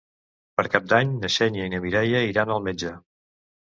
Per Cap d'Any na Xènia i na Mireia iran al metge.